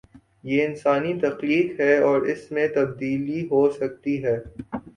یہ انسانی تخلیق ہے اور اس میں تبدیلی ہو سکتی ہے۔